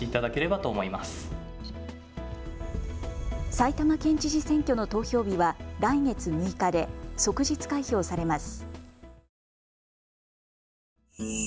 埼玉県知事選挙の投票日は来月６日で即日開票されます。